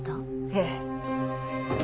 ええ。